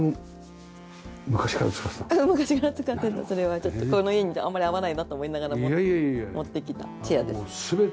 それはちょっとこの家にあんまり合わないなと思いながらも持ってきたチェアです。